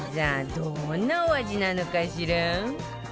どんなお味なのかしら？